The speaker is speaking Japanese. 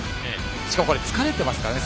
しかも疲れてますからね。